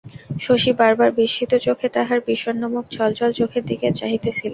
শশী বারবার বিস্মিত চোখে তাহার বিষন্ন মুখ, ছলছল চোখের দিকে চাহিতেছিল।